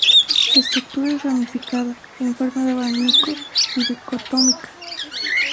Su estructura es ramificada, en forma de abanico y dicotómica.